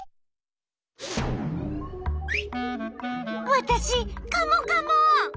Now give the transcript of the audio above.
わたしカモカモ！